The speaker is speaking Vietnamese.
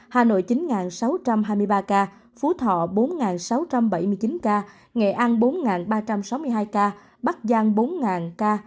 hà nội chín sáu trăm hai mươi ba ca phú thọ bốn sáu trăm bảy mươi chín ca nghệ an bốn ba trăm sáu mươi hai ca bắc giang bốn ca